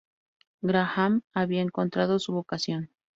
Graham había encontrado su vocación.